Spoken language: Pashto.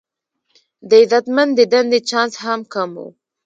د عزتمندې دندې چانس هم کم و.